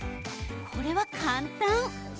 これは簡単。